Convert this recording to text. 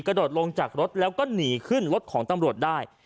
โดดลงจากรถแล้วก็หนีขึ้นรถของตำรวจได้